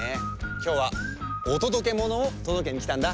きょうはおとどけものをとどけにきたんだ。